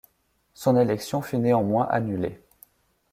Son élection fut néanmoins annulée.